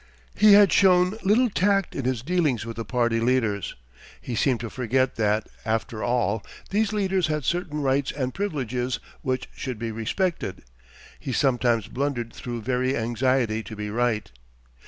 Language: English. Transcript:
He had shown little tact in his dealings with the party leaders. He seemed to forget that, after all, these leaders had certain rights and privileges which should be respected; he sometimes blundered through very anxiety to be right.